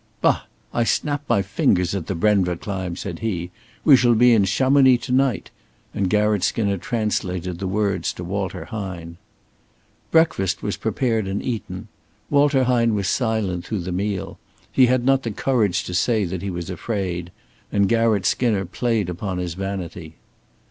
"Bah! I snap my fingers at the Brenva climb," said he. "We shall be in Chamonix to night"; and Garratt Skinner translated the words to Walter Hine. Breakfast was prepared and eaten. Walter Hine was silent through the meal. He had not the courage to say that he was afraid; and Garratt Skinner played upon his vanity.